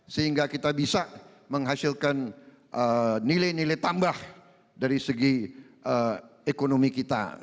sehingga kita bisa menghasilkan nilai nilai tambah dari segi ekonomi kita